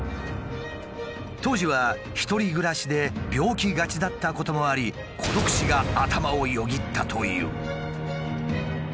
当時は一人暮らしで病気がちだったこともあり孤独死が頭をよぎったという。